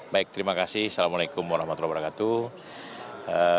baik terima kasih assalamualaikum warahmatullahi wabarakatuh